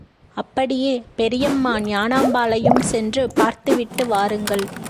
அப்படியே பெரியம்மா ஞானாம்பாளையும்சென்று பார்த்துவிட்டு வாருங்கள்.